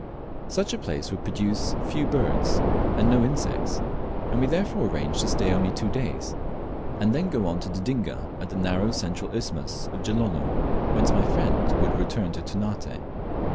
Such a place would produce few birds and no insects, and we therefore arranged to stay only two days, and then go on to Dodinga, at the narrow central isthmus of Gilolo, whence my friends would return to Ternate.